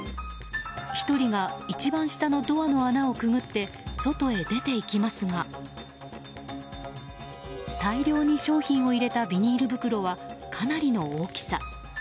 １人が一番下のドアの穴をくぐって外へ出ていきますが大量に商品を入れたビニール袋はかなりの大きさ。